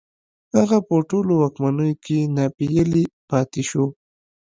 هغه په ټولو واکمنيو کې ناپېيلی پاتې شو